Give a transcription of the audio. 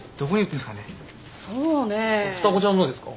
双子ちゃんのですか？